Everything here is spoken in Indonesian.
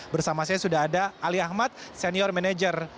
bersama saya sudah ada ali ahmad senior manager